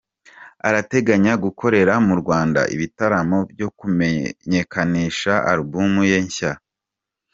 Arateganya gukorera mu Rwanda ibitaramo byo kumenyekanisha album ye nshya.